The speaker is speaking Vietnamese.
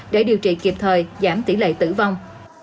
để điều trị kịp thời giảm tỷ lệ tử vong